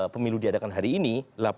pemilu diadakan hari ini